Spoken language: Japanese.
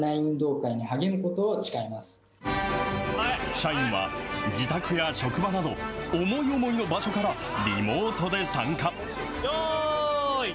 社員は自宅や職場など、思い思いの場所からリモートで参加。